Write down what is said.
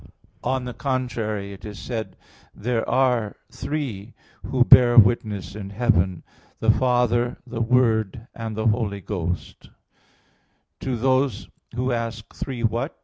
On the contrary, It is said: "There are three who bear witness in heaven, the Father, the Word, and the Holy Ghost" (1 John 5:7). To those who ask, "Three what?"